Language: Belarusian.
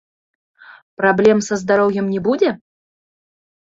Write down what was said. Праблем са здароўем не будзе?